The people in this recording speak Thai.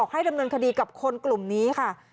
ให้ดำเนินคดีกับคนกลุ่มนี้ค่ะ